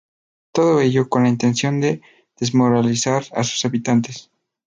Todo ello con la intención de desmoralizar a sus habitantes.